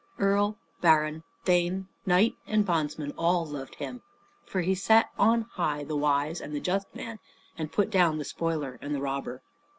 Earl, baron, thane, knight, and bondsman, all loved him; for he set on high the wise and the just man, and put down the spoiler and the robber.